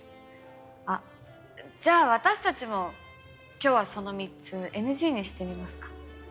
あっじゃあ私たちも今日はその３つＮＧにしてみますか。